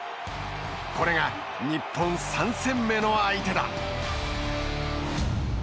これが日本、３戦目の相手だ。